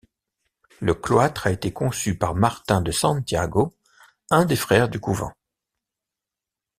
Le cloître a été conçu par Martín de Santiago, un des frères du couvent.